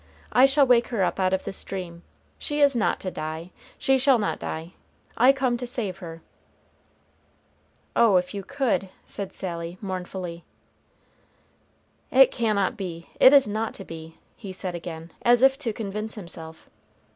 I shall wake her up out of this dream. She is not to die. She shall not die, I come to save her." "Oh, if you could!" said Sally, mournfully. "It cannot be; it is not to be," he said again, as if to convince himself.